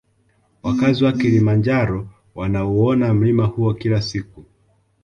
Wakazi wa kilimanjaro wanauona mlima huo kila siku